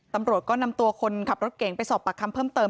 ตำรวจก็นำตัวคนขับรถเก่งไปสอบปากคำเพิ่มเติม